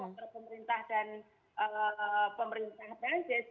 maksudnya pemerintah dan pemerintah belajar